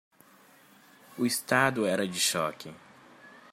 O estado era de choque.